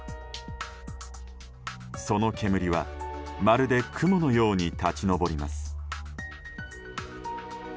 その煙はまるで雲のように立ち上ります。